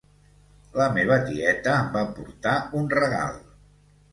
La meva tieta em va portar un regal